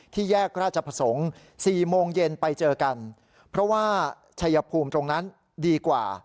แยกราชประสงค์๔โมงเย็นไปเจอกันเพราะว่าชัยภูมิตรงนั้นดีกว่า